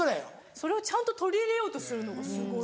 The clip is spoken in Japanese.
それをちゃんと取り入れようとするのがすごい。